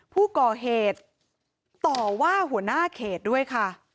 ผู้ก่อเหตุต่อว่าหัวหน้าเขตด้วยค่ะ